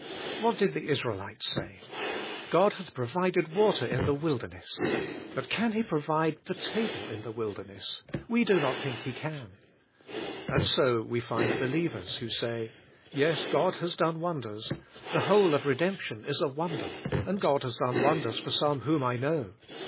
What did the Israelites say? "God hath provided water in the wilderness. But can He provide the table in the wilderness? We do not think He can." And so we find believers who say, "Yes, God has done wonders. The whole of redemption is a wonder, and God has done won ders for some whom I know.